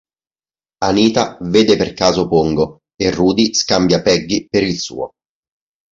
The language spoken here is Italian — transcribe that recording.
Anita vede per caso Pongo e Rudy scambia Peggy per il suo.